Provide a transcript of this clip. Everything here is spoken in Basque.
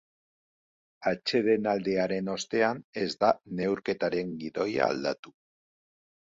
Atsedenaldiaren ostean ez da neurketaren gidoia aldatu.